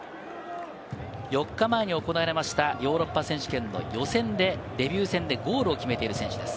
４日前に行われたヨーロッパ選手権の予選でデビュー戦でゴールを決めている選手です。